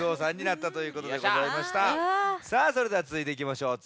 さあそれではつづいていきましょう。